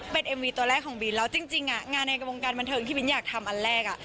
เป็นเอ็มวีตัวแรกของบินแล้วจริงงานในวงการบันเทิงที่บินอยากทำอันแรกอ่ะ